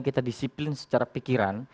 kita disiplin secara pikiran